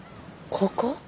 ここ？